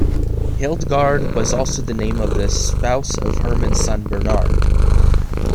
Hildegard was also the name of the spouse of Hermann's son Bernard.